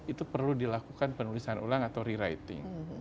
itu perlu dilakukan penulisan ulang atau rewriting